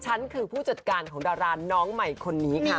ฉันคือผู้จัดการของดาราน้องใหม่คนนี้ค่ะ